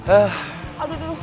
es balok tunggu tunggu